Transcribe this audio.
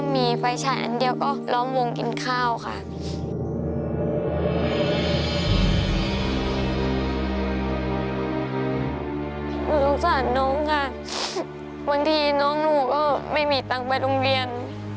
ไม่มีตังก์ไปโรงเรียน